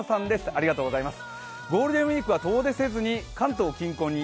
ありがとうございます。